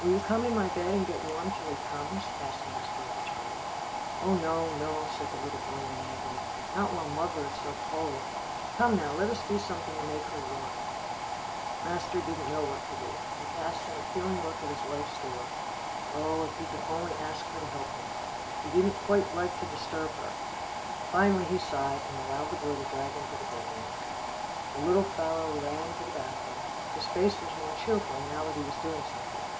"Will you come in my bed, and get warm till he comes?" asked master of the child. "Oh, no, no," said the little boy in an agony, "not while muvver is so cold. Come, now, let us do something to make her warm." Master didn't know what to do. He cast an appealing look at his wife's door. Oh! if he could only ask her to help him. He didn't quite like to disturb her. Finally he sighed, and allowed the boy to drag him to the bed room. The little fellow ran to the bath room. His face was more cheerful, now that he was doing something.